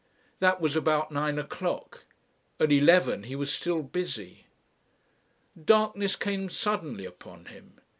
That was about nine o'clock. At eleven he was still busy.... Darkness came suddenly upon him.